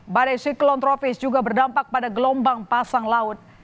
badai siklon tropis juga berdampak pada gelombang pasang laut